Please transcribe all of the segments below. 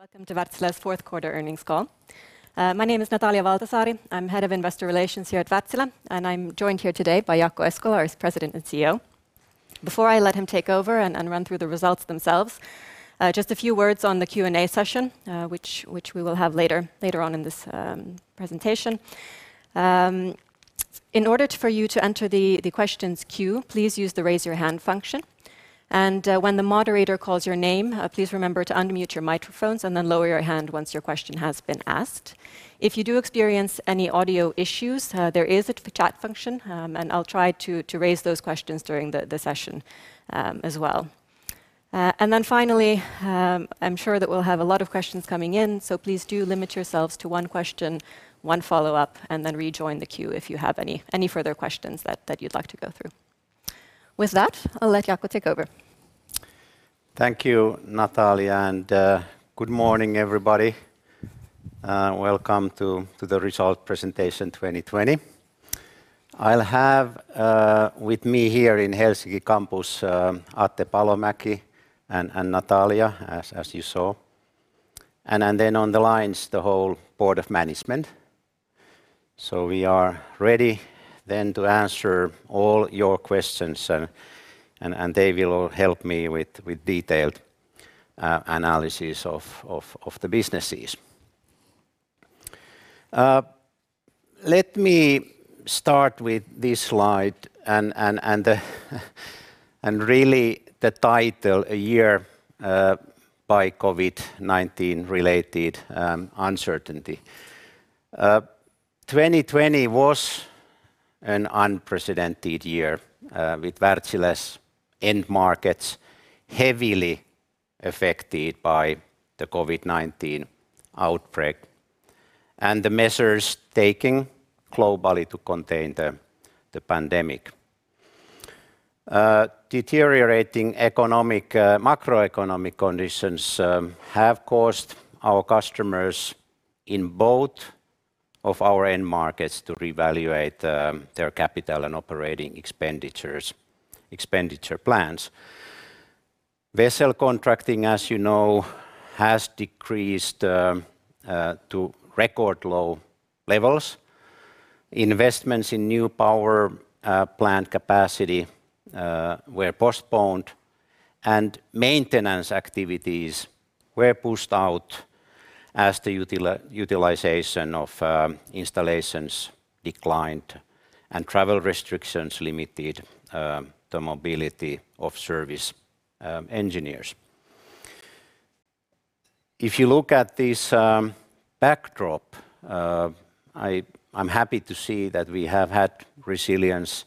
Good morning. Welcome to Wärtsilä's fourth quarter earnings call. My name is Natalia Valtasaari. I'm Head of Investor Relations here at Wärtsilä, and I'm joined here today by Jaakko Eskola, our President and CEO. Before I let him take over and run through the results themselves, just a few words on the Q&A session which we will have later on in this presentation. In order for you to enter the questions queue, please use the raise your hand function, and when the moderator calls your name, please remember to unmute your microphones and then lower your hand once your question has been asked. If you do experience any audio issues, there is a chat function, and I'll try to raise those questions during the session as well. Finally, I'm sure that we'll have a lot of questions coming in, so please do limit yourselves to one question, one follow-up, and then rejoin the queue if you have any further questions that you'd like to go through. With that, I'll let Jaakko take over. Thank you, Natalia, and good morning, everybody. Welcome to the Result Presentation 2020. I'll have with me here in Helsinki campus, Atte Palomäki and Natalia, as you saw, and then on the lines, the whole board of management. We are ready then to answer all your questions, and they will all help me with detailed analysis of the businesses. Let me start with this slide, and really the title, "A year by COVID-19 related uncertainty." 2020 was an unprecedented year with Wärtsilä's end markets heavily affected by the COVID-19 outbreak and the measures taken globally to contain the pandemic. Deteriorating macroeconomic conditions have caused our customers in both of our end markets to reevaluate their capital and operating expenditure plans. Vessel contracting, as you know, has decreased to record low levels. Investments in new power plant capacity were postponed and maintenance activities were pushed out as the utilization of installations declined and travel restrictions limited the mobility of service engineers. If you look at this backdrop, I'm happy to see that we have had resilience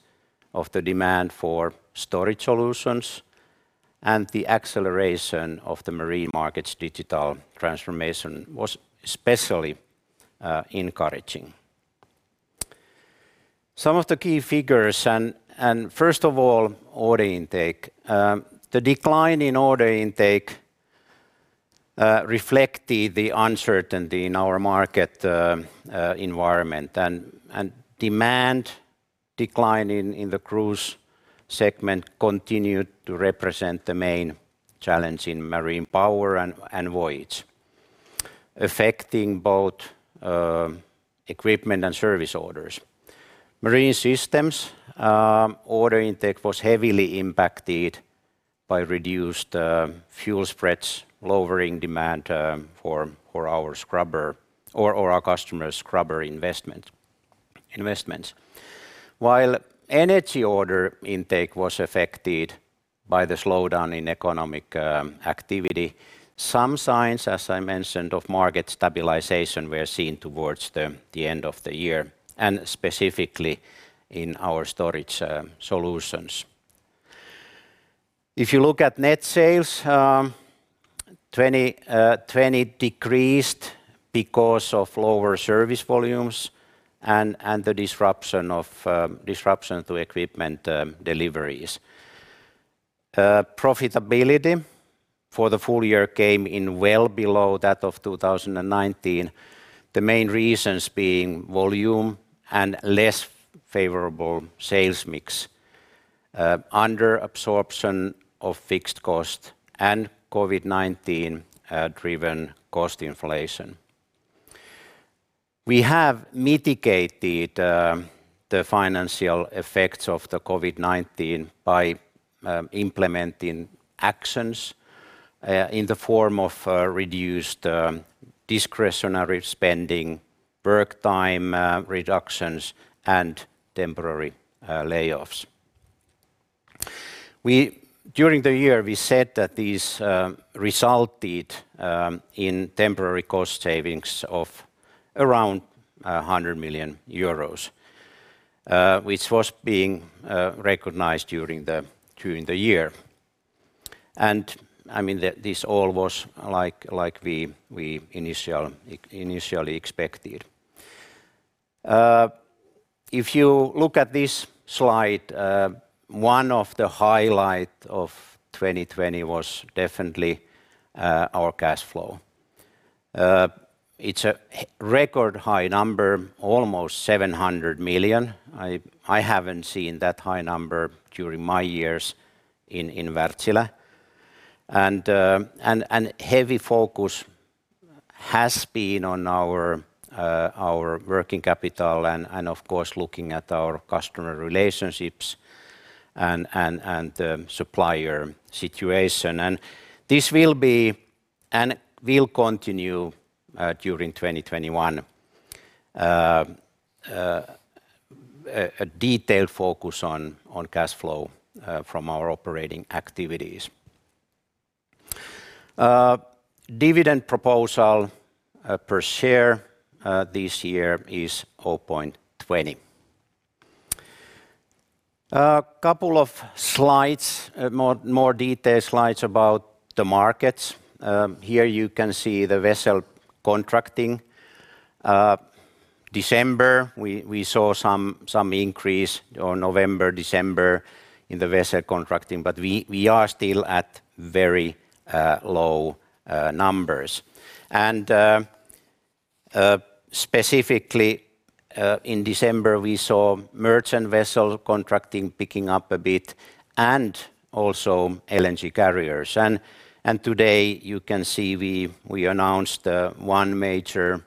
of the demand for storage solutions and the acceleration of the marine market's digital transformation was especially encouraging. Some of the key figures, and first of all, order intake. The decline in order intake reflected the uncertainty in our market environment, and demand decline in the cruise segment continued to represent the main challenge in Marine Power and Voyage, affecting both equipment and service orders. Marine Systems order intake was heavily impacted by reduced fuel spreads, lowering demand for our scrubber or our customers' scrubber investments. While energy order intake was affected by the slowdown in economic activity, some signs, as I mentioned, of market stabilization were seen towards the end of the year, and specifically in our storage solutions. If you look at net sales, 2020 decreased because of lower service volumes and the disruption to equipment deliveries. Profitability for the full year came in well below that of 2019. The main reasons being volume and less favorable sales mix, under absorption of fixed cost, and COVID-19-driven cost inflation. We have mitigated the financial effects of the COVID-19 by implementing actions in the form of reduced discretionary spending, work time reductions, and temporary layoffs. During the year, we said that these resulted in temporary cost savings of around 100 million euros, which was being recognized during the year. This all was like we initially expected. If you look at this slide, one of the highlight of 2020 was definitely our cash flow. It's a record high number, almost 700 million. I haven't seen that high number during my years in Wärtsilä. Heavy focus has been on our working capital and of course, looking at our customer relationships and the supplier situation. This will continue during 2021. A detailed focus on cash flow from our operating activities. Dividend proposal per share this year is 0.20. A couple of slides, more detailed slides about the markets. Here you can see the vessel contracting. December, we saw some increase on November, December in the vessel contracting, but we are still at very low numbers. Specifically, in December, we saw merchant vessel contracting picking up a bit and also LNG carriers. Today you can see we announced one major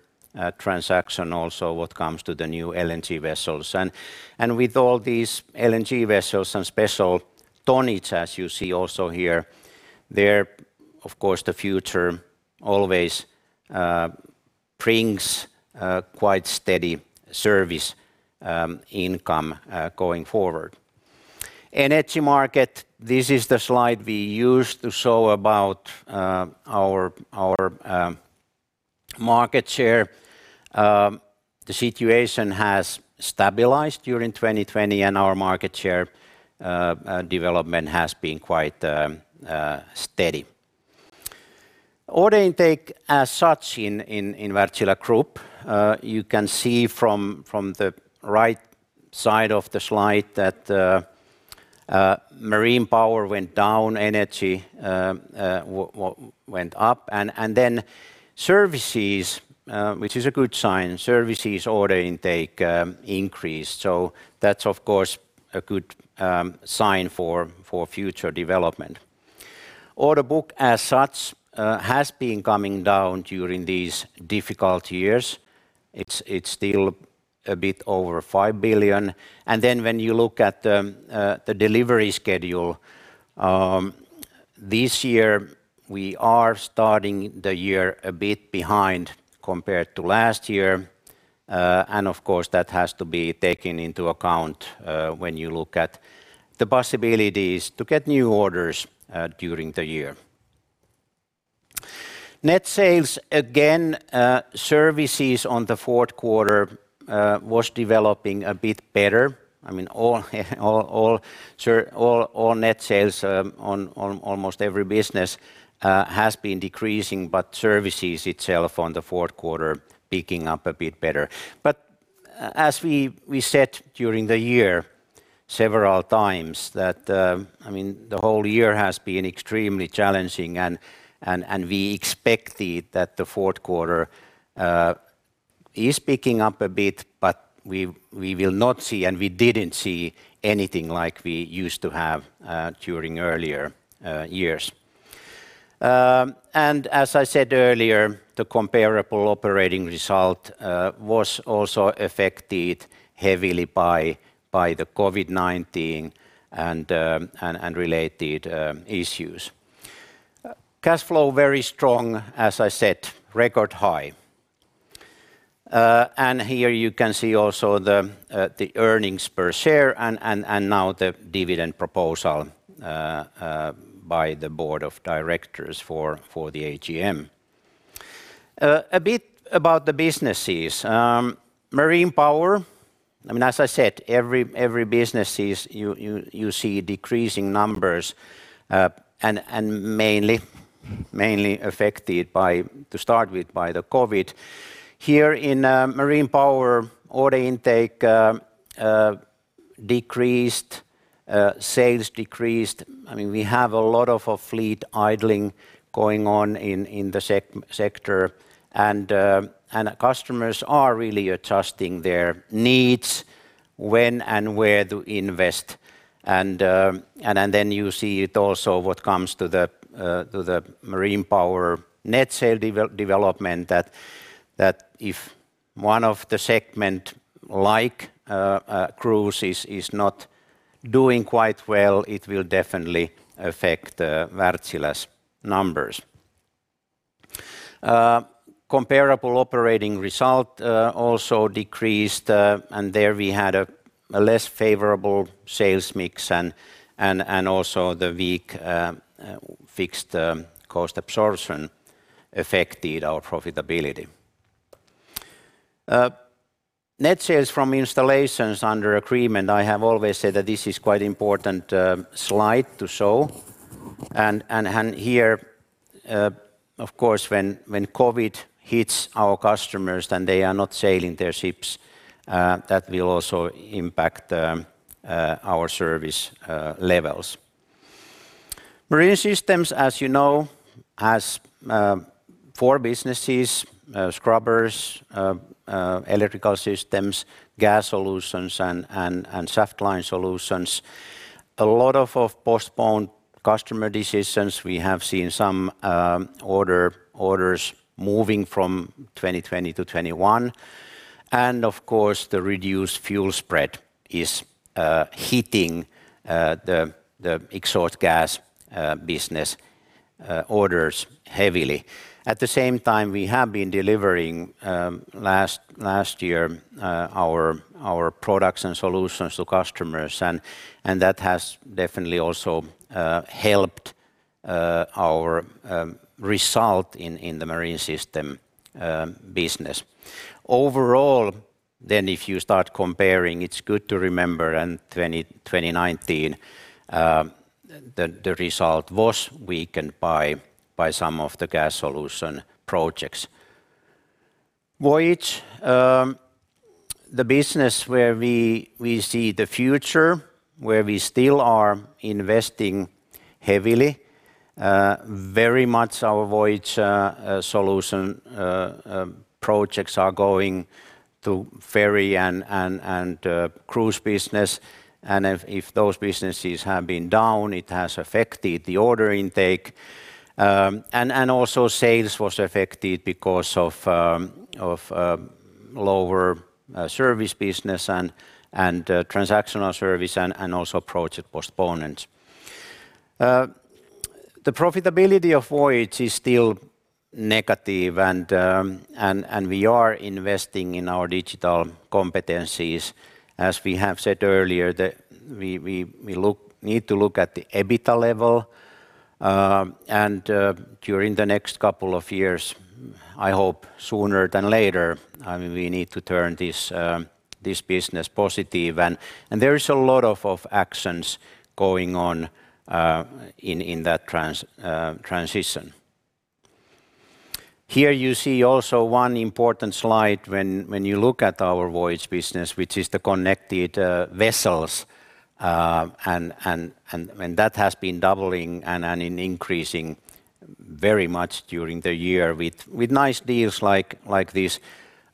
transaction also what comes to the new LNG vessels. With all these LNG vessels and special tonnage, as you see also here, there of course the future always brings quite steady service income going forward. Energy market, this is the slide we use to show about our market share. The situation has stabilized during 2020 and our market share development has been quite steady. Order intake as such in Wärtsilä Group, you can see from the right side of the slide that Marine Power went down, Energy went up, and then Services, which is a good sign, Services order intake increased. That's of course a good sign for future development. Order book as such has been coming down during these difficult years. It's still a bit over 5 billion. When you look at the delivery schedule this year, we are starting the year a bit behind compared to last year. Of course that has to be taken into account when you look at the possibilities to get new orders during the year. Net sales again, Services on the Q4 was developing a bit better. All net sales on almost every business has been decreasing, Services itself on the Q4 picking up a bit better. As we said during the year several times that the whole year has been extremely challenging and we expected that the Q4 is picking up a bit, we will not see and we didn't see anything like we used to have during earlier years. As I said earlier, the comparable operating result was also affected heavily by the COVID-19 and related issues. Cash flow very strong as I said, record high. Here you can see also the earnings per share and now the dividend proposal by the board of directors for the AGM. A bit about the businesses. Marine Power, as I said, every business you see decreasing numbers, and mainly affected to start with by the COVID. Here in Marine Power, order intake decreased, sales decreased. We have a lot of fleet idling going on in the sector, and customers are really adjusting their needs, when and where to invest. You see it also what comes to the Marine Power net sale development that if one of the segment like cruises is not doing quite well, it will definitely affect Wärtsilä's numbers. Comparable operating result also decreased, there we had a less favorable sales mix and also the weak fixed cost absorption affected our profitability. Net sales from installations under agreement, I have always said that this is quite important slide to show. Here of course when COVID-19 hits our customers, then they are not sailing their ships. That will also impact our service levels. Marine Systems, as you know, has four businesses, scrubbers, electrical systems, gas solutions, and shaft line solutions. A lot of postponed customer decisions. We have seen some orders moving from 2020-2021. Of course, the reduced fuel spread is hitting the exhaust gas business orders heavily. At the same time, we have been delivering last year our products and solutions to customers, and that has definitely also helped our result in the Marine Systems business. Overall then, if you start comparing, it's good to remember in 2019, the result was weakened by some of the gas solution projects. Voyage, the business where we see the future, where we still are investing heavily. Very much our Voyage solution projects are going to ferry and cruise business. If those businesses have been down, it has affected the order intake, also sales was affected because of lower service business and transactional service and also project postponements. The profitability of Voyage is still negative, and we are investing in our digital competencies. As we have said earlier, we need to look at the EBITDA level, and during the next couple of years, I hope sooner than later, we need to turn this business positive. There is a lot of actions going on in that transition. Here you see also one important slide when you look at our Voyage business, which is the connected vessels. That has been doubling and increasing very much during the year with nice deals like this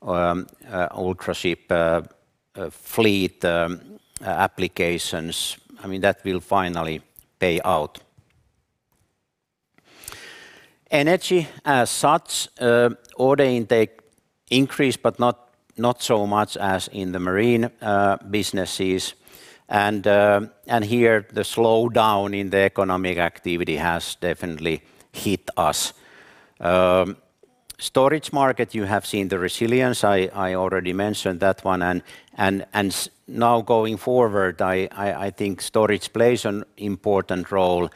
Ultraship fleet applications. That will finally pay out. Energy as such, order intake increased, but not so much as in the Marine businesses. Here the slowdown in the economic activity has definitely hit us. Storage market, you have seen the resilience. I already mentioned that one. Now going forward, I think storage plays an important role,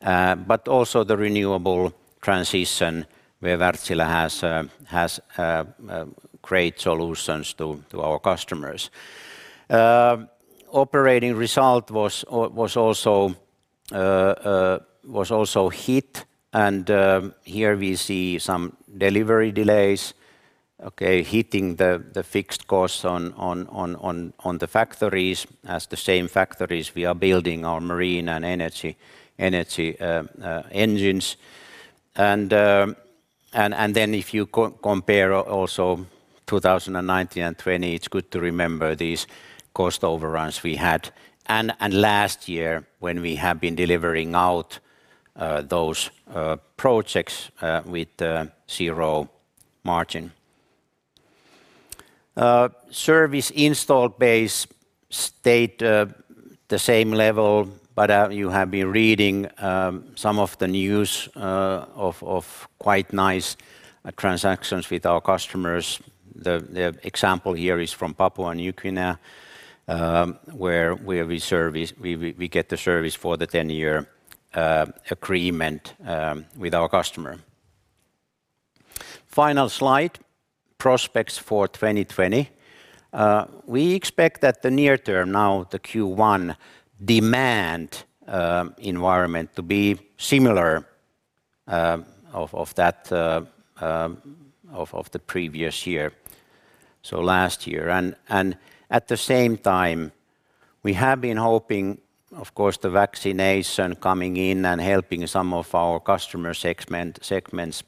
but also the renewable transition where Wärtsilä has great solutions to our customers. Operating result was also hit, and here we see some delivery delays hitting the fixed costs on the factories, as the same factories we are building our Marine and energy engines. If you compare also 2019 and 2020, it's good to remember these cost overruns we had. Last year, when we have been delivering out those projects with zero margin. Service installed base stayed the same level, but you have been reading some of the news of quite nice transactions with our customers. The example here is from Papua New Guinea, where we get the service for the 10-year agreement with our customer. Final slide, prospects for 2020. We expect that the near term, now the Q1, demand environment to be similar of the previous year, so last year. At the same time, we have been hoping, of course, the vaccination coming in and helping some of our customer segments.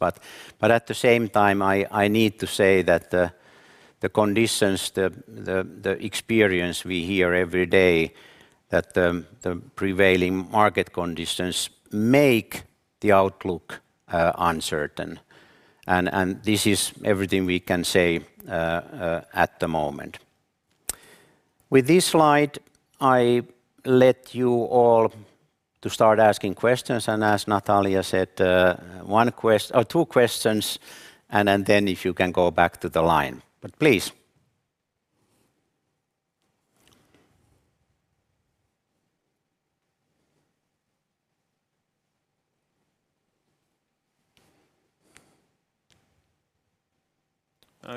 At the same time, I need to say that the conditions, the experience we hear every day, that the prevailing market conditions make the outlook uncertain. This is everything we can say at the moment. With this slide, I let you all to start asking questions. As Natalia said, two questions. If you can go back to the line. Please.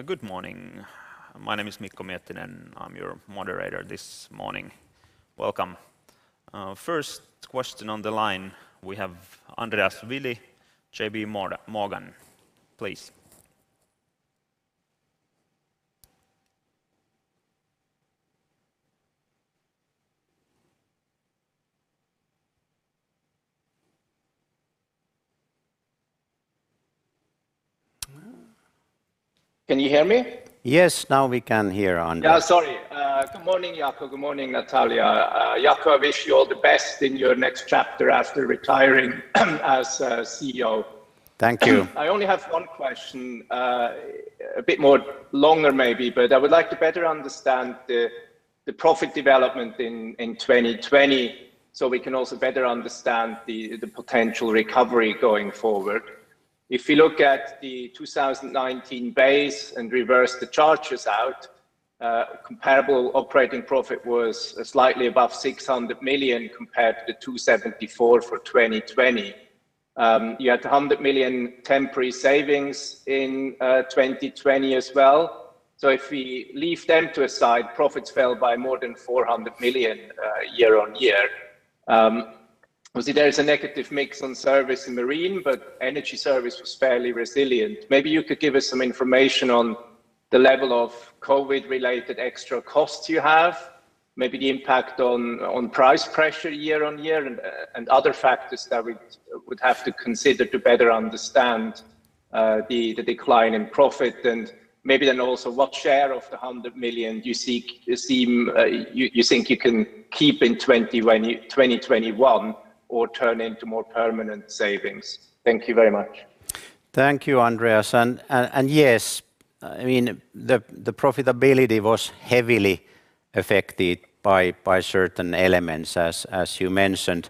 Good morning. My name is Mikko Miettinen. I'm your moderator this morning. Welcome. First question on the line, we have Andreas Willi, JPMorgan. Please. Can you hear me? Yes, now we can hear Andreas. Sorry. Good morning, Jaakko. Good morning, Natalia. Jaakko, I wish you all the best in your next chapter after retiring as CEO. Thank you. I only have one question, a bit longer maybe, but I would like to better understand the profit development in 2020 so we can also better understand the potential recovery going forward. If you look at the 2019 base and reverse the charges out, comparable operating profit was slightly above 600 million compared to the 274 million for 2020. You had 100 million temporary savings in 2020 as well. If we leave them to the side, profits fell by more than 400 million year-on-year. Obviously, there is a negative mix on service in Marine, but energy service was fairly resilient. Maybe you could give us some information on the level of COVID-related extra costs you have, maybe the impact on price pressure year-on-year and other factors that we would have to consider to better understand the decline in profit. Maybe then also what share of the 100 million you think you can keep in 2021 or turn into more permanent savings? Thank you very much. Thank you, Andreas. Yes, the profitability was heavily affected by certain elements as you mentioned.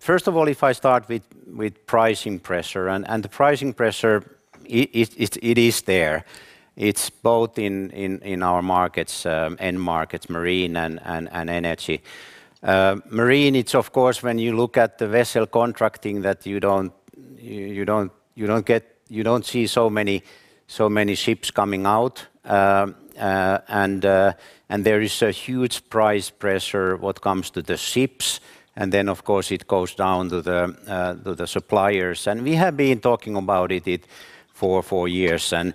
First of all, if I start with pricing pressure, and the pricing pressure it is there. It's both in our end markets, Marine and Energy. Marine, it's of course, when you look at the vessel contracting that you don't see so many ships coming out. There is a huge price pressure when it comes to the ships, and then, of course, it goes down to the suppliers. We have been talking about it for four years, and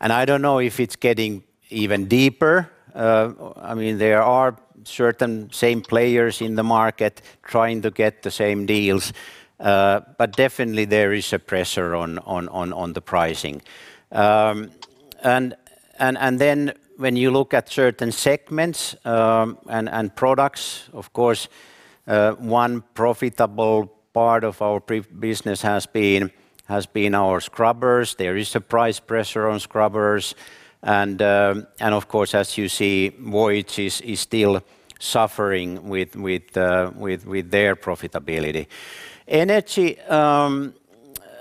I don't know if it's getting even deeper. There are certain same players in the market trying to get the same deals, but definitely there is a pressure on the pricing. When you look at certain segments and products, of course, one profitable part of our business has been our scrubbers. There is a price pressure on scrubbers. Of course, as you see, Voyage is still suffering with their profitability. Energy,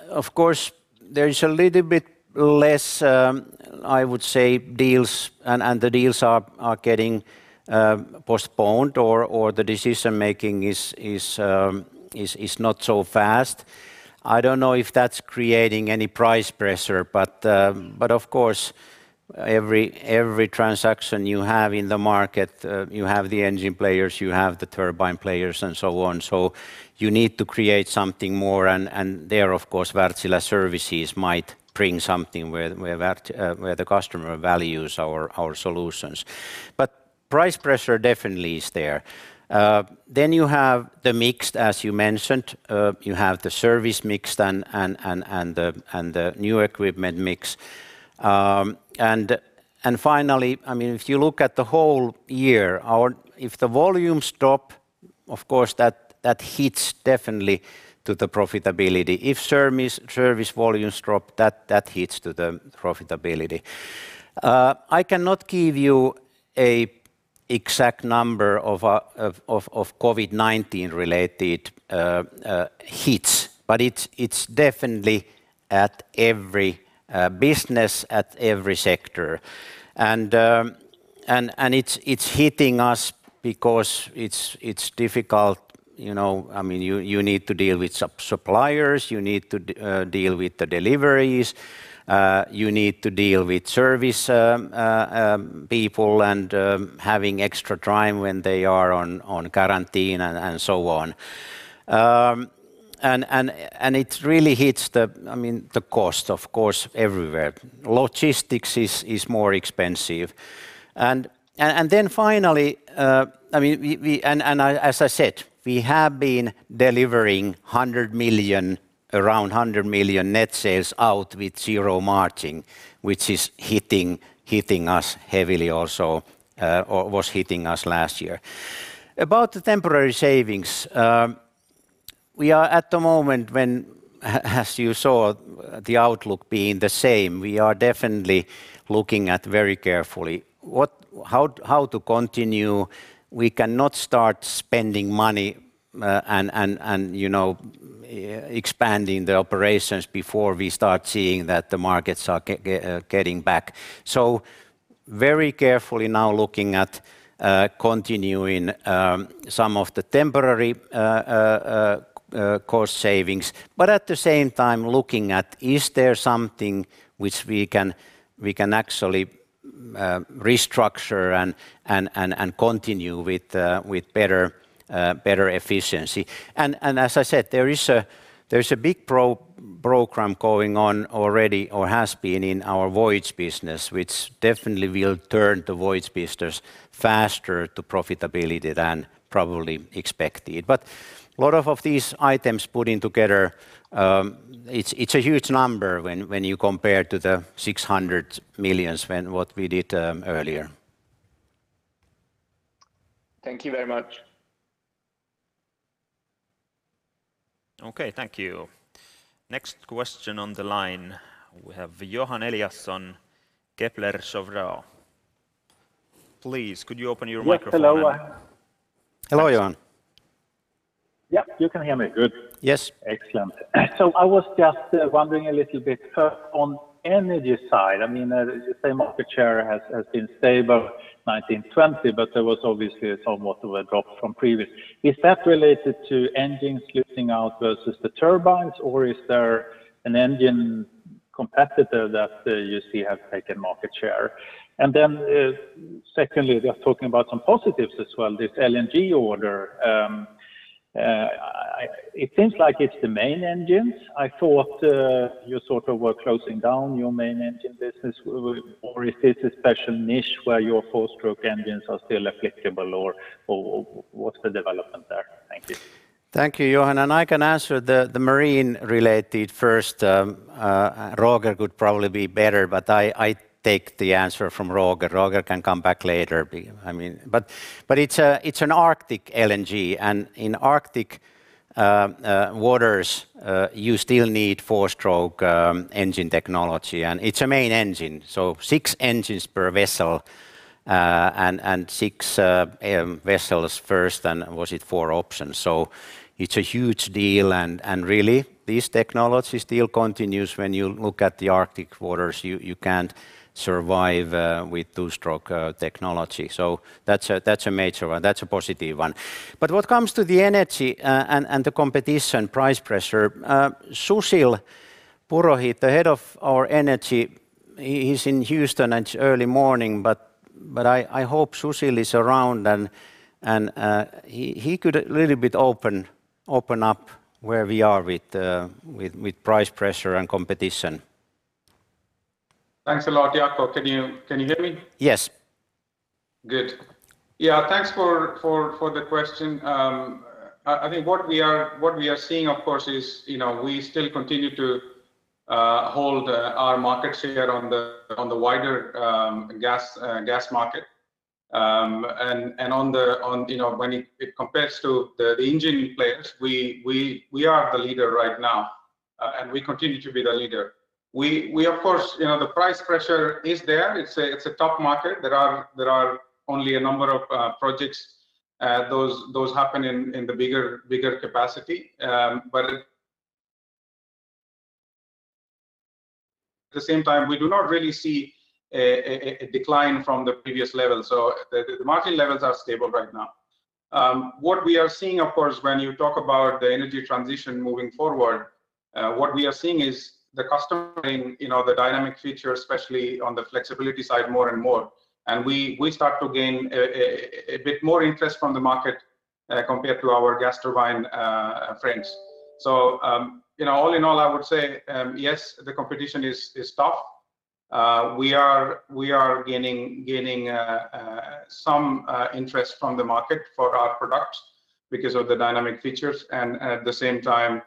of course, there is a little bit less, I would say, deals, and the deals are getting postponed or the decision-making is not so fast. I don't know if that's creating any price pressure, of course, every transaction you have in the market, you have the engine players, you have the turbine players, and so on. You need to create something more, and there, of course, Wärtsilä services might bring something where the customer values our solutions. Price pressure definitely is there. You have the mix, as you mentioned. You have the service mix and the new equipment mix. Finally, if you look at the whole year, if the volumes drop, of course, that hits definitely to the profitability. If service volumes drop, that hits to the profitability. I cannot give you a exact number of COVID-19-related hits, but it's definitely at every business, at every sector. It's hitting us because it's difficult. You need to deal with suppliers, you need to deal with the deliveries, you need to deal with service people and having extra time when they are on quarantine, and so on. It really hits the cost, of course, everywhere. Logistics is more expensive. Finally, as I said, we have been delivering around 100 million net sales out with zero margin, which is hitting us heavily also, or was hitting us last year. About the temporary savings, we are at the moment when, as you saw the outlook being the same, we are definitely looking at very carefully how to continue. We cannot start spending money and expanding the operations before we start seeing that the markets are getting back. Very carefully now looking at continuing some of the temporary cost savings, but at the same time looking at is there something which we can actually restructure and continue with better efficiency. As I said, there is a big program going on already, or has been in our Voyage business, which definitely will turn the Voyage business faster to profitability than probably expected. A lot of these items putting together, it's a huge number when you compare to the 600 million, what we did earlier. Thank you very much. Okay, thank you. Next question on the line, we have Johan Eliason, Kepler Cheuvreux. Please, could you open your microphone? Hello? Hello, Johan. Yeah, you can hear me good? Yes. Excellent. I was just wondering a little bit, first on Energy side, you say market share has been stable 2019, 2020, but there was obviously somewhat of a drop from previous. Is that related to engines losing out versus the turbines, or is there an engine competitor that you see has taken market share? Then secondly, just talking about some positives as well, this LNG order. It seems like it's the main engines. I thought you were closing down your main engine business. Is this a special niche where your four-stroke engines are still applicable, or what's the development there? Thank you. Thank you, Johan. I can answer the marine related first. Roger would probably be better. I take the answer from Roger. Roger can come back later. It's an Arctic LNG, and in Arctic waters, you still need four-stroke engine technology, and it's a main engine, so six engines per vessel, and six vessels first and was it four options. It's a huge deal, and really, this technology still continues. When you look at the Arctic waters, you can't survive with two-stroke technology. That's a major one. That's a positive one. What comes to the Energy and the competition price pressure, Sushil Purohit, the head of our Energy, he's in Houston and it's early morning, but I hope Sushil is around, and he could a little bit open up where we are with price pressure and competition. Thanks a lot, Jaakko. Can you hear me? Yes. Good. Yeah, thanks for the question. I think what we are seeing, of course, is we still continue to hold our market share on the wider gas market. When it compares to the engine players, we are the leader right now, and we continue to be the leader. Of course, the price pressure is there. It's a tough market. There are only a number of projects. Those happen in the bigger capacity. At the same time, we do not really see a decline from the previous level, so the market levels are stable right now. What we are seeing, of course, when you talk about the energy transition moving forward, what we are seeing is the customer seeing the dynamic feature, especially on the flexibility side, more and more, and we start to gain a bit more interest from the market compared to our gas turbine friends. All in all, I would say, yes, the competition is tough. We are gaining some interest from the market for our product because of the dynamic features, and at the same time,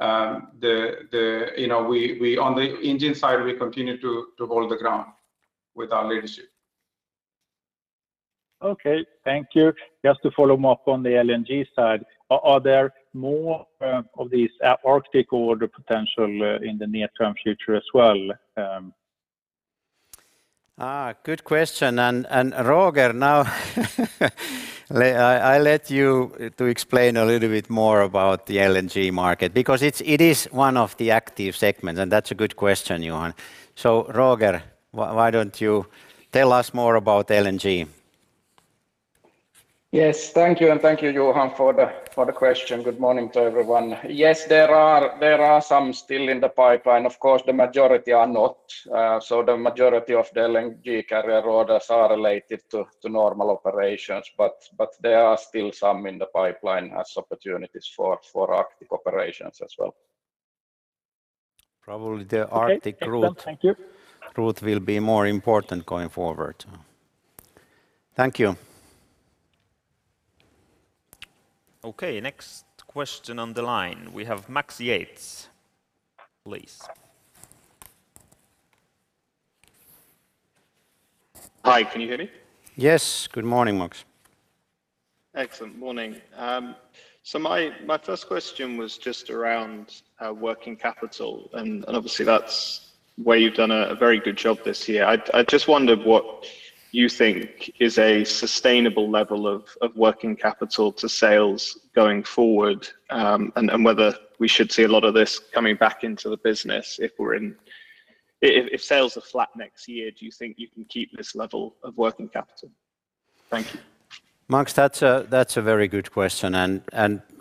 on the engine side, we continue to hold the ground with our leadership. Okay, thank you. Just to follow up on the LNG side, are there more of these Arctic order potential in the near-term future as well? Good question. Roger, now I let you to explain a little bit more about the LNG market because it is one of the active segments, and that's a good question, Johan. Roger, why don't you tell us more about LNG? Thank you, Johan, for the question. Good morning to everyone. Yes, there are some still in the pipeline. Of course, the majority are not. The majority of the LNG carrier orders are related to normal operations, but there are still some in the pipeline as opportunities for Arctic operations as well. Probably the Arctic. Okay, excellent. Thank you. route will be more important going forward. Thank you. Okay, next question on the line. We have Max Yates. Please. Hi, can you hear me? Yes, good morning, Max. Excellent. Morning. My first question was just around working capital, and obviously, that's where you've done a very good job this year. I just wondered what you think is a sustainable level of working capital to sales going forward, and whether we should see a lot of this coming back into the business if sales are flat next year. Do you think you can keep this level of working capital? Thank you. Max, that's a very good question.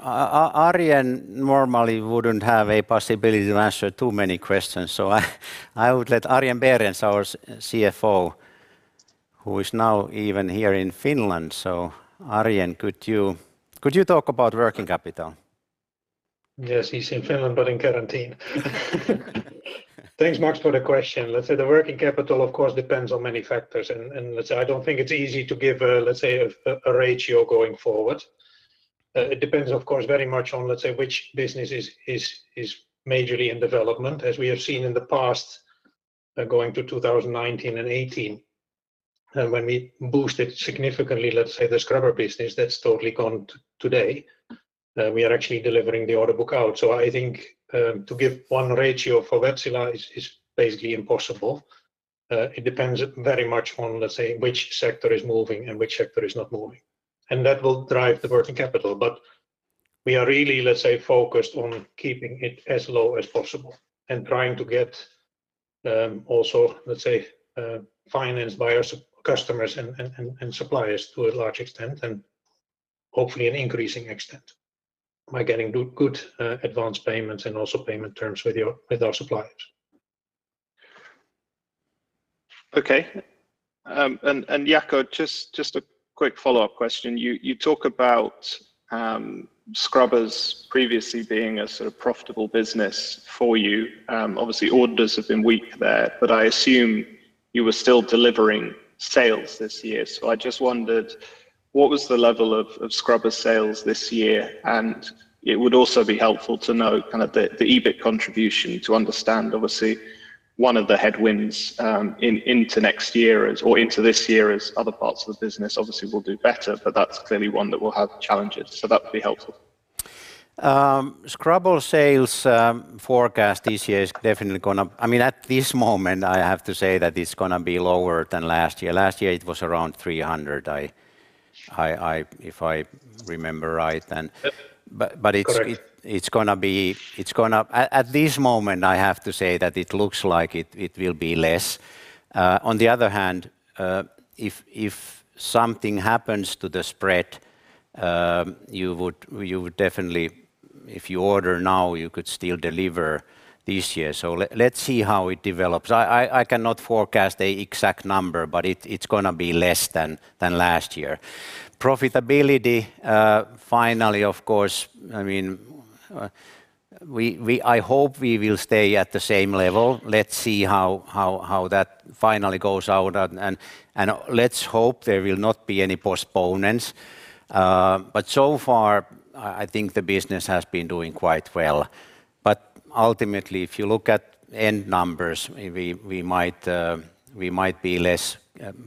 Arjen normally wouldn't have a possibility to answer too many questions. I would let Arjen Berends, our CFO, who is now even here in Finland. Arjen, could you talk about working capital? Yes, he's in Finland, but in quarantine. Thanks, Max, for the question. Let's say the working capital, of course, depends on many factors. Let's say I don't think it's easy to give a ratio going forward. It depends, of course, very much on which business is majorly in development. As we have seen in the past, going to 2019 and 2018, when we boosted significantly the scrubber business, that's totally gone today. We are actually delivering the order book out. I think to give one ratio for Wärtsilä is basically impossible. It depends very much on which sector is moving and which sector is not moving, and that will drive the working capital. We are really focused on keeping it as low as possible and trying to get also financed by our customers and suppliers to a large extent, and hopefully an increasing extent by getting good advance payments and also payment terms with our suppliers. Okay. Jaakko, just a quick follow-up question. You talk about scrubbers previously being a sort of profitable business for you. Orders have been weak there, I assume you were still delivering sales this year. I just wondered, what was the level of scrubber sales this year? It would also be helpful to know the EBIT contribution to understand, obviously, one of the headwinds into next year or into this year as other parts of the business obviously will do better, that's clearly one that will have challenges. That would be helpful. At this moment, I have to say that it's going to be lower than last year. Last year, it was around 300, if I remember right. Yep. Correct. At this moment, I have to say that it looks like it will be less. On the other hand, if something happens to the spread, you would definitely, if you order now, you could still deliver this year. Let's see how it develops. I cannot forecast the exact number, but it's going to be less than last year. Profitability, finally, of course, I hope we will stay at the same level. Let's see how that finally goes out, and let's hope there will not be any postponements. So far, I think the business has been doing quite well. Ultimately, if you look at end numbers, maybe we might be less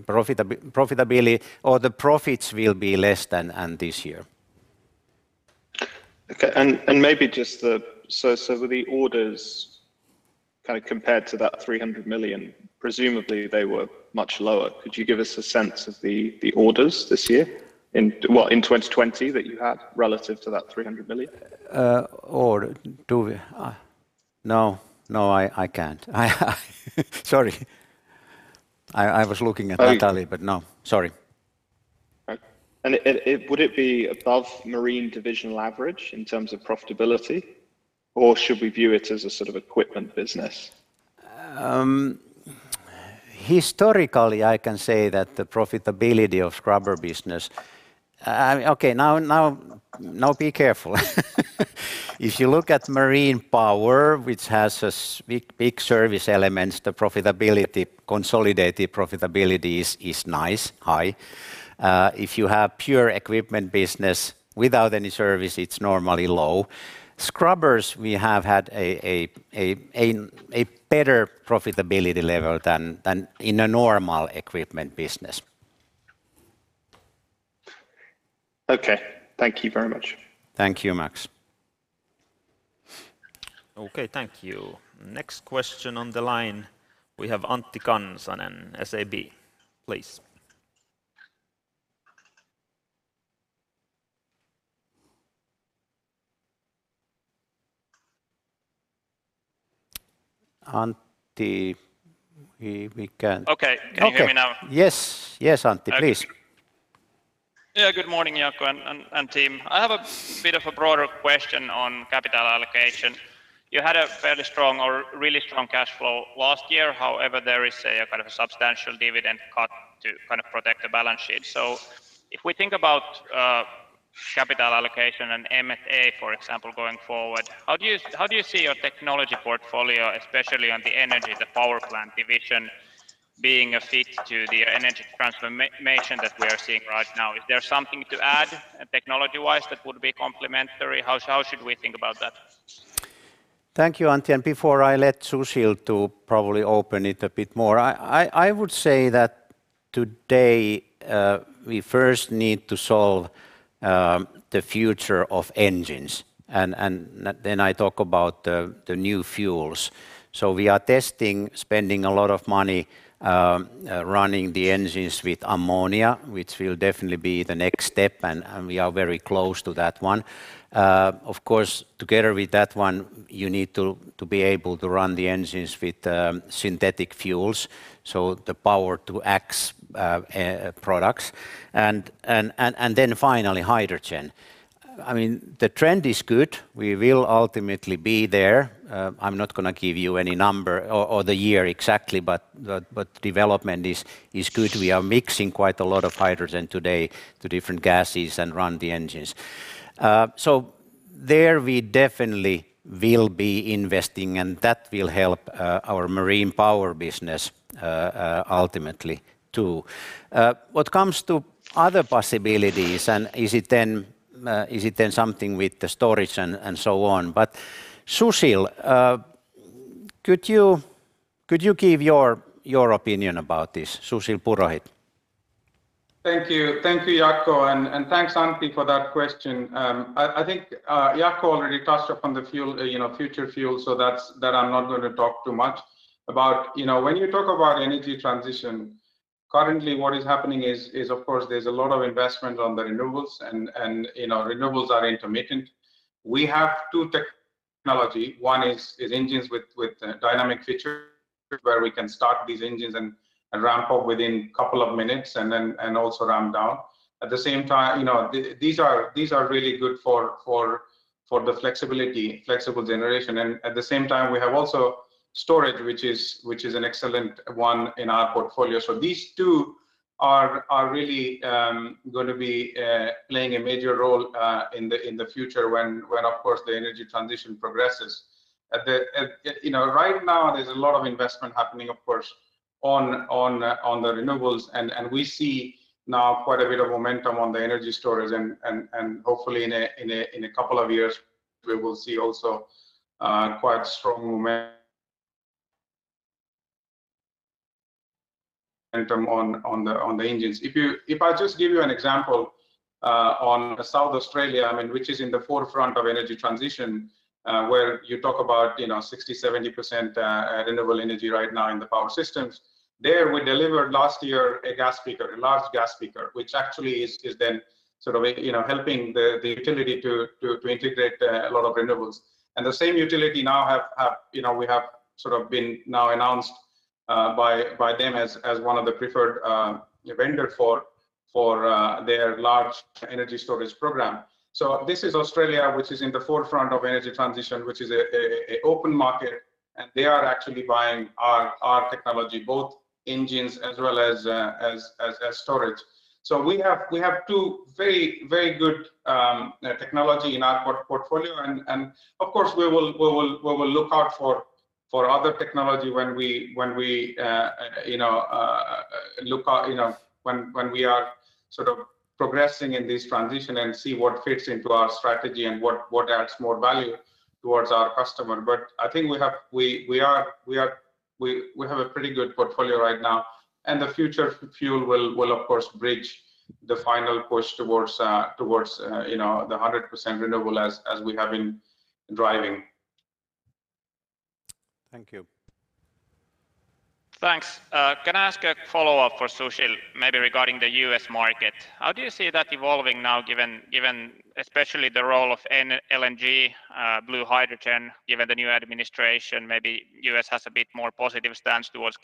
profitability, or the profits will be less than this year. Okay. With the orders compared to that 300 million, presumably they were much lower. Could you give us a sense of the orders this year, in 2020, that you had relative to that EUR 300 million? No, I can't. Sorry. I was looking at Natalia, but no. Sorry. Okay. Would it be above Marine divisional average in terms of profitability, or should we view it as a sort of equipment business? Historically, I can say that the profitability of scrubber business. Okay, now be careful. If you look at Marine Power, which has big service elements, the consolidated profitability is nice, high. If you have pure equipment business without any service, it's normally low. Scrubbers, we have had a better profitability level than in a normal equipment business. Okay. Thank you very much. Thank you, Max. Okay. Thank you. Next question on the line, we have Antti Kansanen, SEB. Please. Antti, we can't- Okay. Can you hear me now? Yes. Antti, please. Good morning, Jaakko and team. I have a bit of a broader question on capital allocation. You had a fairly strong or really strong cash flow last year. However, there is a kind of a substantial dividend cut to protect the balance sheet. If we think about capital allocation and M&A, for example, going forward, how do you see your technology portfolio, especially on the energy, the power plant division, being a fit to the energy transformation that we are seeing right now? Is there something to add technology-wise that would be complementary? How should we think about that? Thank you, Antti. Before I let Sushil to probably open it a bit more, I would say that today we first need to solve the future of engines, and then I talk about the new fuels. We are testing, spending a lot of money running the engines with ammonia, which will definitely be the next step, and we are very close to that one. Of course, together with that one, you need to be able to run the engines with synthetic fuels, so the Power-to-X products. Finally, hydrogen. The trend is good. We will ultimately be there. I'm not going to give you any number or the year exactly, but development is good. We are mixing quite a lot of hydrogen today to different gases and run the engines. There we definitely will be investing, and that will help our Marine Power business, ultimately, too. What comes to other possibilities, and is it then something with the storage and so on? Sushil, could you give your opinion about this? Sushil Purohit. Thank you, Jaakko, and thanks, Antti, for that question. I think Jaakko already touched upon the future fuel, so that I'm not going to talk too much about. When you talk about energy transition, currently what is happening is, of course, there's a lot of investment on the renewables, and renewables are intermittent. We have two technology. One is engines with dynamic features where we can start these engines and ramp up within couple of minutes and then also ramp down. At the same time, these are really good for the flexible generation. At the same time, we have also storage, which is an excellent one in our portfolio. These two are really going to be playing a major role in the future when, of course, the energy transition progresses. Right now, there's a lot of investment happening, of course, on the renewables, and we see now quite a bit of momentum on the energy storage. Hopefully in a couple of years, we will see also quite strong momentum on the engines. If I just give you an example, on South Australia, which is in the forefront of energy transition, where you talk about 60%-70% renewable energy right now in the power systems. There, we delivered last year a large gas peaker, which actually is then helping the utility to integrate a lot of renewables. The same utility now, we have been now announced by them as one of the preferred vendor for their large energy storage program. This is Australia, which is in the forefront of energy transition, which is an open market, and they are actually buying our technology, both engines as well as storage. We have two very good technology in our portfolio. Of course, we will look out for other technology when we are progressing in this transition and see what fits into our strategy and what adds more value towards our customer. I think we have a pretty good portfolio right now, and the future fuel will, of course, bridge the final push towards the 100% renewable as we have been driving. Thank you. Thanks. Can I ask a follow-up for Sushil, maybe regarding the U.S. market? How do you see that evolving now, given especially the role of LNG, blue hydrogen, given the new administration? Maybe U.S. has a bit more positive stance towards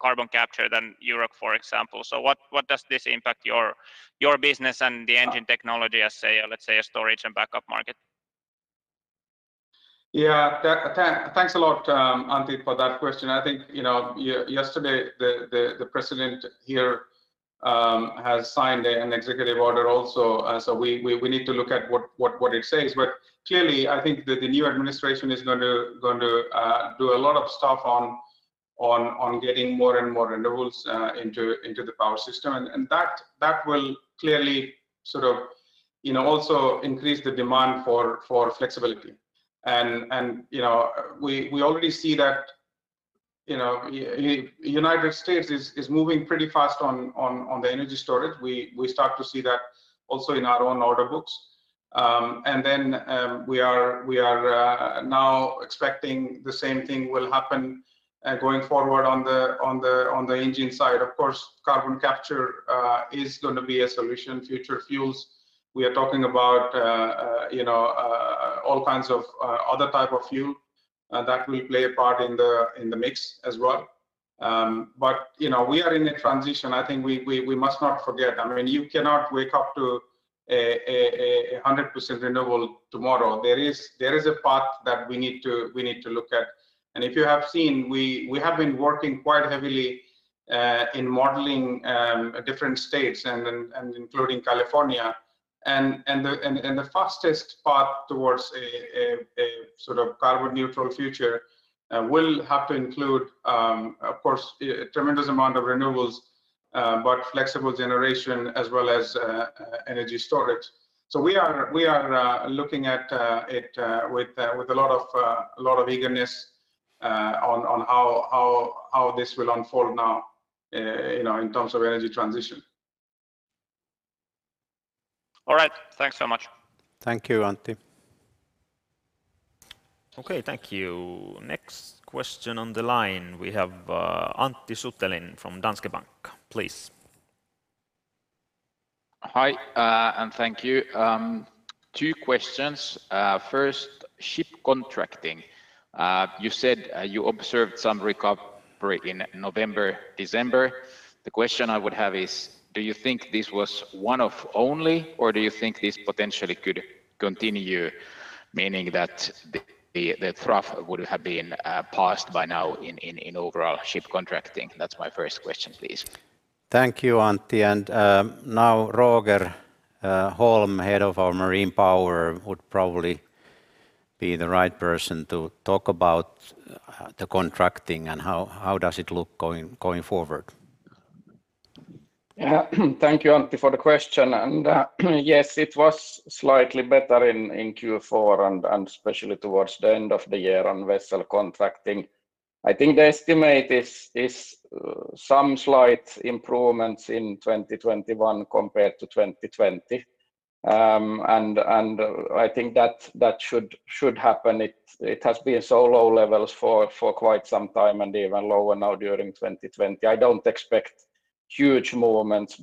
carbon capture than Europe, for example. What does this impact your business and the engine technology as, let's say, a storage and backup market? Yeah. Thanks a lot, Antti, for that question. I think yesterday, the president here has signed an executive order also. We need to look at what it says. Clearly, I think that the new administration is going to do a lot of stuff on getting more and more renewables into the power system. That will clearly also increase the demand for flexibility. We already see that U.S. is moving pretty fast on the energy storage. We start to see that also in our own order books. We are now expecting the same thing will happen going forward on the engine side. Of course, carbon capture is going to be a solution. Future fuels, we are talking about all kinds of other type of fuel that will play a part in the mix as well. We are in a transition. I think we must not forget. You cannot wake up to 100% renewable tomorrow. There is a path that we need to look at. If you have seen, we have been working quite heavily in modeling different states and including California. The fastest path towards a carbon neutral future will have to include, of course, a tremendous amount of renewables, but flexible generation as well as energy storage. We are looking at it with a lot of eagerness on how this will unfold now, in terms of energy transition. All right. Thanks so much. Thank you, Antti. Okay. Thank you. Next question on the line, we have Antti Suttelin from Danske Bank. Please. Hi. Thank you. Two questions. First, ship contracting. You said you observed some recovery in November, December. The question I would have is. Do you think this was one of only, or do you think this potentially could continue, meaning that the trough would have been passed by now in overall ship contracting? That's my first question, please. Thank you, Antti. Now Roger Holm, head of our Marine Power, would probably be the right person to talk about the contracting and how does it look going forward. Thank you, Antti, for the question. Yes, it was slightly better in Q4 and especially towards the end of the year on vessel contracting. I think the estimate is some slight improvements in 2021 compared to 2020. I think that should happen. It has been so low levels for quite some time, and even lower now during 2020. I don't expect huge movements,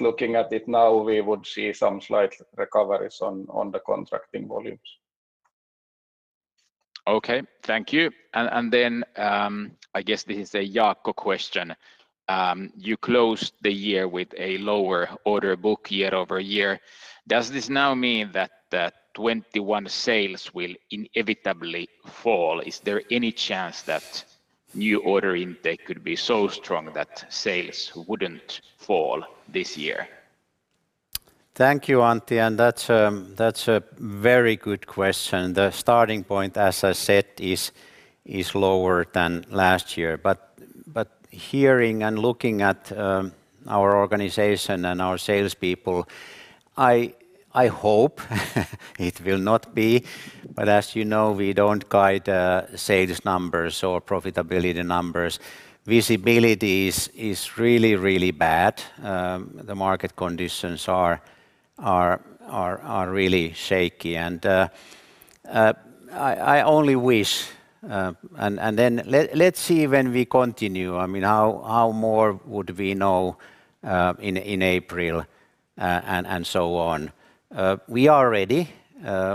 looking at it now, we would see some slight recoveries on the contracting volumes. Okay. Thank you. I guess this is a Jaakko question. You closed the year with a lower order book year-over-year. Does this now mean that 2021 sales will inevitably fall? Is there any chance that new order intake could be so strong that sales wouldn't fall this year? Thank you, Antti. That's a very good question. The starting point, as I said, is lower than last year. Hearing and looking at our organization and our salespeople, I hope it will not be. As you know, we don't guide sales numbers or profitability numbers. Visibility is really, really bad. The market conditions are really shaky. I only wish, then let's see when we continue. How more would we know in April, and so on? We are ready.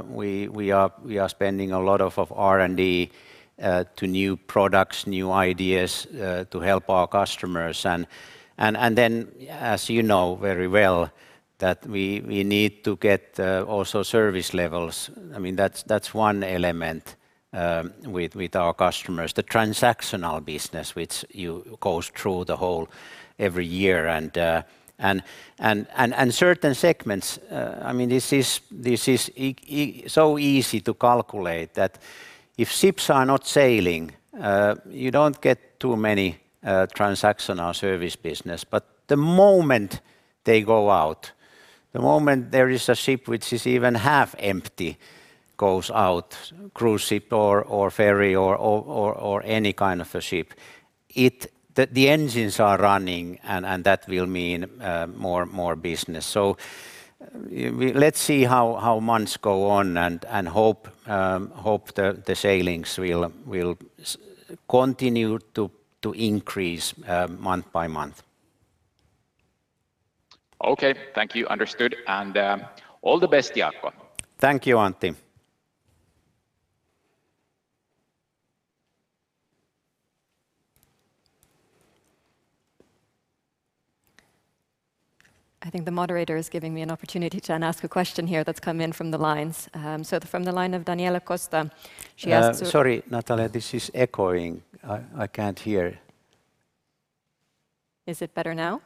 We are spending a lot of R&D to new products, new ideas to help our customers. Then, as you know very well, that we need to get also service levels. That's one element with our customers, the transactional business, which goes through the whole every year. Certain segments, this is so easy to calculate, that if ships are not sailing, you don't get too many transactional service business. The moment they go out, the moment there is a ship which is even half empty goes out, cruise ship or ferry or any kind of a ship, the engines are running, and that will mean more business. Let's see how months go on and hope the sailings will continue to increase month by month. Okay. Thank you. Understood. All the best, Jaakko. Thank you, Antti. I think the moderator is giving me an opportunity to ask a question here that's come in from the lines. From the line of Daniela Costa, she asked. Sorry, Natalia, this is echoing. I can't hear. Is it better now?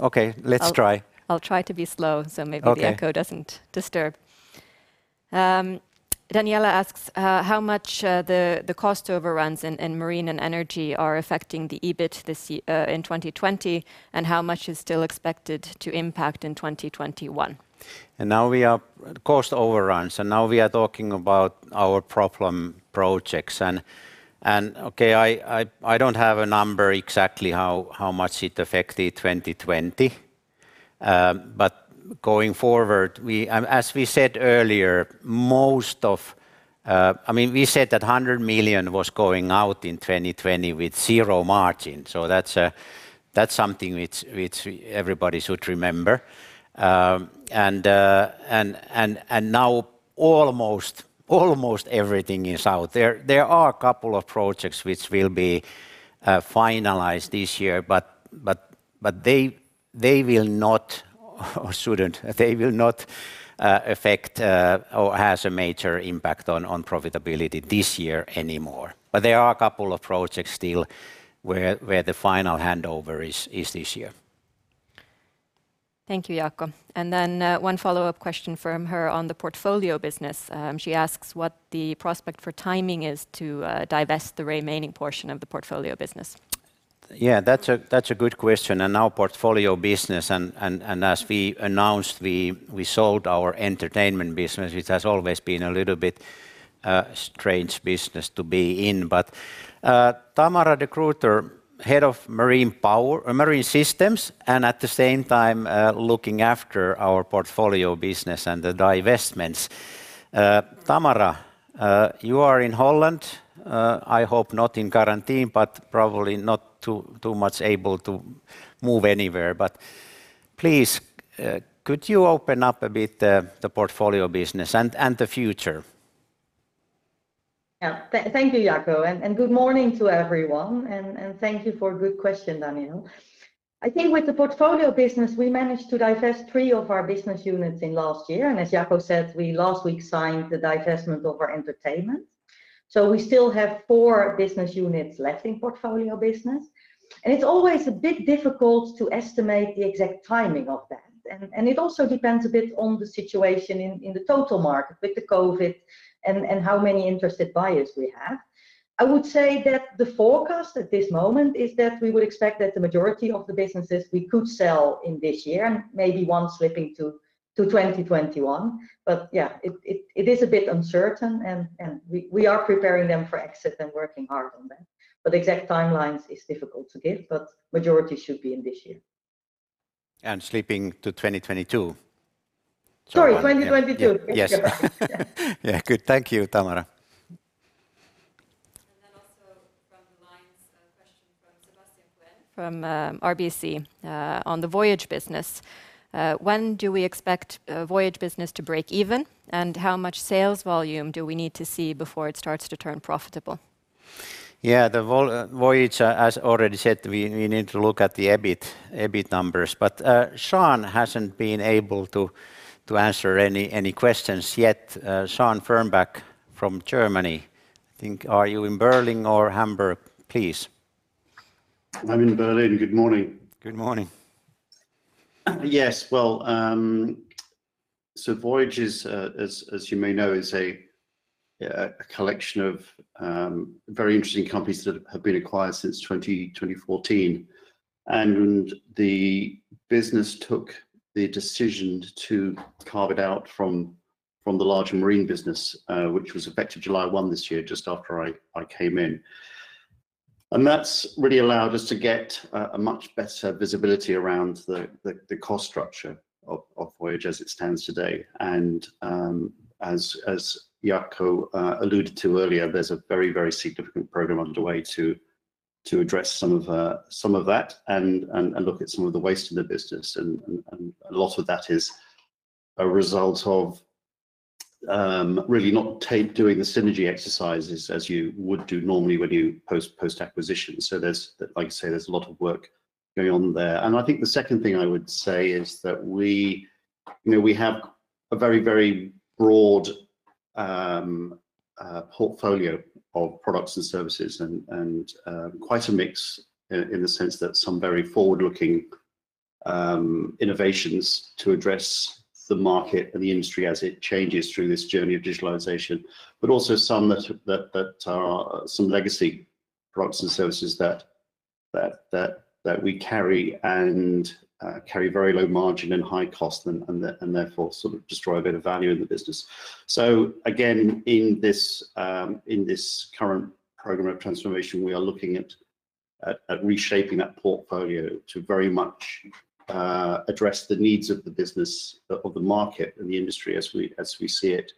Okay, let's try. I'll try to be slow- Okay. Maybe the echo doesn't disturb. Daniela asks how much the cost overruns in Marine and Energy are affecting the EBIT in 2020, and how much is still expected to impact in 2021? Now we are at cost overruns, and now we are talking about our problem projects. Okay, I don't have a number exactly how much it affected 2020. Going forward, as we said earlier, we said that 100 million was going out in 2020 with zero margin. That's something which everybody should remember. Now almost everything is out there. There are a couple of projects which will be finalized this year, but they will not, or shouldn't, they will not affect or has a major impact on profitability this year anymore. There are a couple of projects still where the final handover is this year. Thank you, Jaakko. One follow-up question from her on the portfolio business. She asks what the prospect for timing is to divest the remaining portion of the portfolio business. Yeah, that's a good question. Now portfolio business, and as we announced, we sold our entertainment business, which has always been a little bit a strange business to be in. Tamara de Gruyter, Head of Marine Systems, and at the same time, looking after our portfolio business and the divestments. Tamara, you are in Holland. I hope not in quarantine, but probably not too much able to move anywhere. Please, could you open up a bit the portfolio business and the future? Thank you, Jaakko. Good morning to everyone, and thank you for a good question, Daniel. I think with the portfolio business, we managed to divest three of our business units in last year. As Jaakko said, we last week signed the divestment of our entertainment. We still have four business units left in portfolio business. It's always a bit difficult to estimate the exact timing of that. It also depends a bit on the situation in the total market with the COVID and how many interested buyers we have. I would say that the forecast at this moment is that we would expect that the majority of the businesses we could sell in this year. Maybe one slipping to 2021. Yeah, it is a bit uncertain. We are preparing them for exit and working hard on that. Exact timelines is difficult to give, but majority should be in this year. Slipping to 2022. Sorry, 2022. Yes. Yeah. Good. Thank you, Tamara. Also from the lines, a question from Sebastian Kuenne from RBC, on the Voyage business. When do we expect Voyage business to break even, and how much sales volume do we need to see before it starts to turn profitable? The Voyage, as already said, we need to look at the EBIT numbers, but Sean hasn't been able to answer any questions yet. Sean Fernback from Germany, I think. Are you in Berlin or Hamburg? Please. I'm in Berlin. Good morning. Good morning. Yes. Well, Voyage is, as you may know, is a collection of very interesting companies that have been acquired since 2014. The business took the decision to carve it out from the larger marine business, which was effective July 1 this year, just after I came in. That's really allowed us to get a much better visibility around the cost structure of Voyage as it stands today. As Jaakko alluded to earlier, there's a very, very significant program underway to address some of that and look at some of the waste in the business, and a lot of that is a result of really not doing the synergy exercises as you would do normally when you post-acquisition. There's, like you say, there's a lot of work going on there. I think the second thing I would say is that we have a very broad portfolio of products and services and quite a mix in the sense that some very forward-looking innovations to address the market and the industry as it changes through this journey of digitalization, but also some that are some legacy products and services that we carry and carry very low margin and high cost and therefore sort of destroy a bit of value in the business. Again, in this current program of transformation, we are looking at reshaping that portfolio to very much address the needs of the business, of the market, and the industry as we see it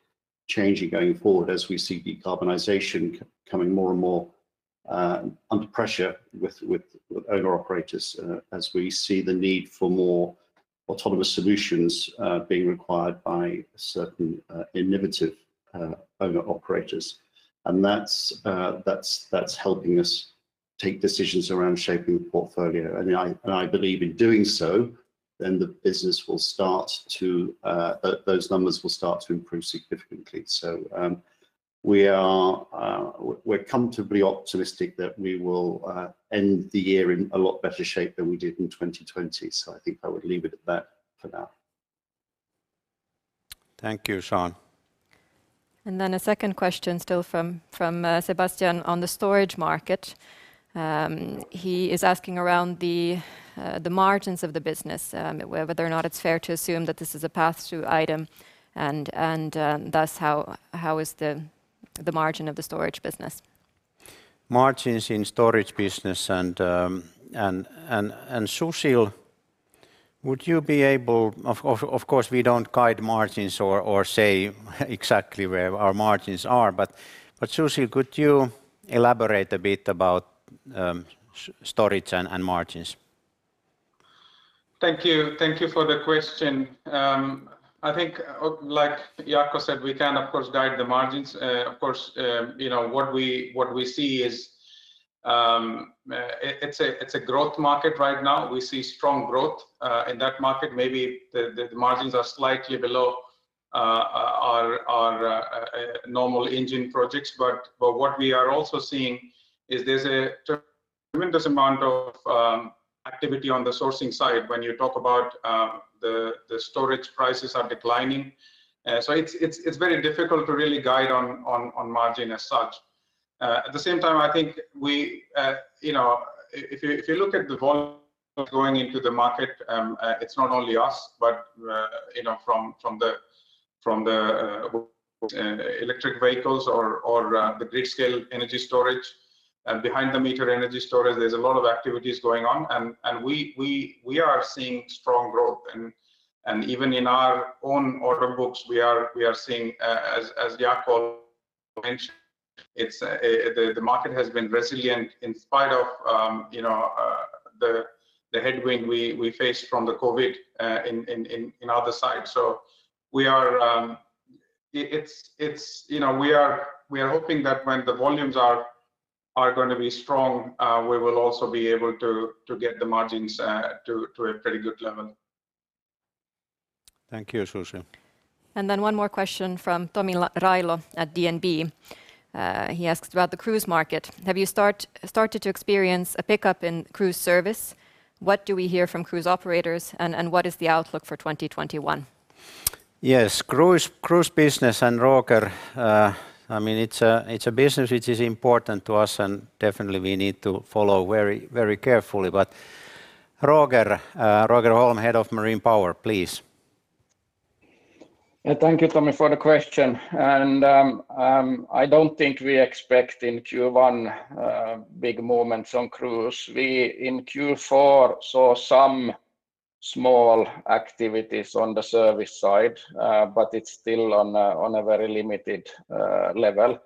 changing going forward, as we see decarbonization coming more and more under pressure with owner operators, as we see the need for more autonomous solutions being required by certain innovative owner operators. That's helping us take decisions around shaping the portfolio. I believe in doing so, then those numbers will start to improve significantly. We're comfortably optimistic that we will end the year in a lot better shape than we did in 2020. I think I would leave it at that for now. Thank you, Sean. Then a second question still from Sebastian on the storage market. He is asking around the margins of the business, whether or not it's fair to assume that this is a pass-through item, and thus how is the margin of the storage business? Margins in storage business. Sushil. Of course, we don't guide margins or say exactly where our margins are, but Sushil, could you elaborate a bit about storage and margins? Thank you. Thank you for the question. I think, like Jaakko said, we can, of course, guide the margins. Of course, what we see is it's a growth market right now. We see strong growth in that market. Maybe the margins are slightly below our normal engine projects. What we are also seeing is there's a tremendous amount of activity on the sourcing side when you talk about the storage prices are declining. It's very difficult to really guide on margin as such. At the same time, I think if you look at the volume going into the market, it's not only us, but from the electric vehicles or the grid-scale energy storage. Behind the meter energy storage, there's a lot of activities going on, and we are seeing strong growth. Even in our own order books, we are seeing, as Jaakko mentioned, the market has been resilient in spite of the headwind we faced from the COVID in other sides. We are hoping that when the volumes are going to be strong, we will also be able to get the margins to a pretty good level. Thank you, Sushil. One more question from Tomi Railo at DNB. He asks about the cruise market. Have you started to experience a pickup in cruise service? What do we hear from cruise operators and what is the outlook for 2021? Yes. Cruise business, Roger. It's a business which is important to us, and definitely we need to follow very carefully. Roger Holm, Head of Marine Power, please. Thank you, Tomi, for the question. I don't think we expect in Q1 big movements on cruise. We, in Q4, saw some small activities on the service side, but it's still on a very limited level.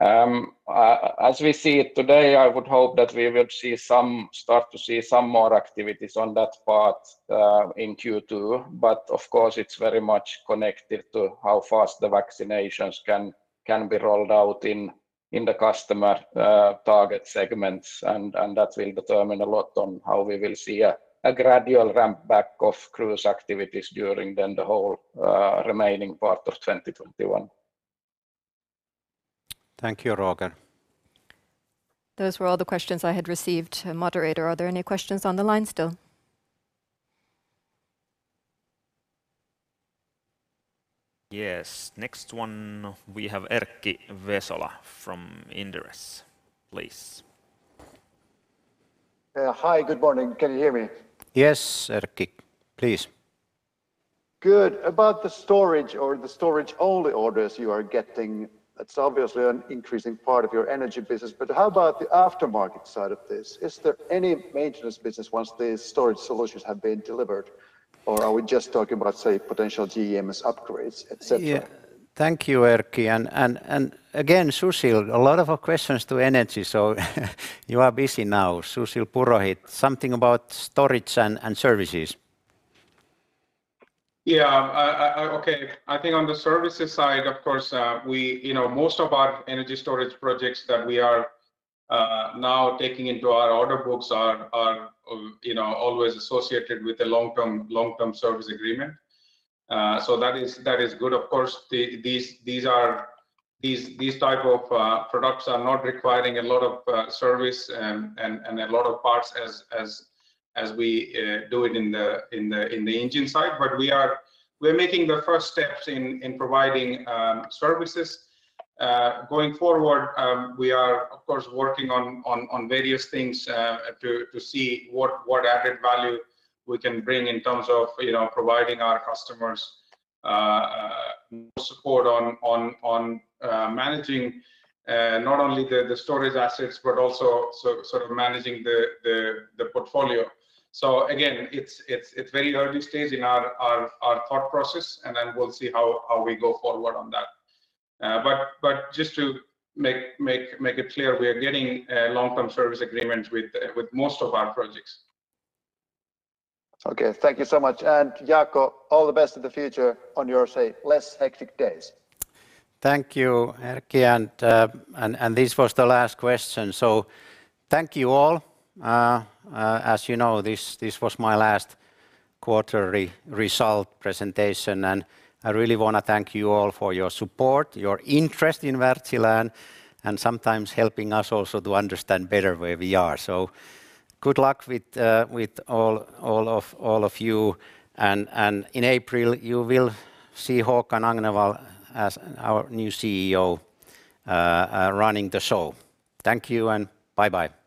As we see it today, I would hope that we will start to see some more activities on that part in Q2. Of course, it's very much connected to how fast the vaccinations can be rolled out in the customer target segments, and that will determine a lot on how we will see a gradual ramp-back of cruise activities during then the whole remaining part of 2021. Thank you, Roger. Those were all the questions I had received. Moderator, are there any questions on the line still? Yes. Next one, we have Erkki Vesola from Inderes. Please. Hi. Good morning. Can you hear me? Yes, Erkki. Please. Good. About the storage or the storage-only orders you are getting, that's obviously an increasing part of your energy business, but how about the aftermarket side of this? Is there any maintenance business once these storage solutions have been delivered, or are we just talking about, say, potential GMS upgrades, et cetera? Thank you, Erkki, and again, Sushil, a lot of questions to energy, so you are busy now. Sushil Purohit, something about storage and services. Okay. I think on the services side, of course, most of our energy storage projects that we are now taking into our order books are always associated with a long-term service agreement. That is good. Of course, these type of products are not requiring a lot of service, and a lot of parts as we do it in the engine side. We're making the first steps in providing services. Going forward, we are, of course, working on various things to see what added value we can bring in terms of providing our customers support on managing, not only the storage assets, but also sort of managing the portfolio. Again, it's very early stage in our thought process, we'll see how we go forward on that. Just to make it clear, we are getting long-term service agreements with most of our projects. Okay. Thank you so much. Jaakko, all the best of the future on your, say, less hectic days. Thank you, Erkki. This was the last question. Thank you all. As you know, this was my last quarterly result presentation, and I really want to thank you all for your support, your interest in Wärtsilä, and sometimes helping us also to understand better where we are. Good luck with all of you, and in April, you will see Håkan Agnevall as our new CEO, running the show. Thank you, and bye-bye.